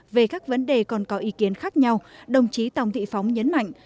về các vấn đề còn có ý kiến khác nhau đồng chí tòng thị phóng nhấn mạnh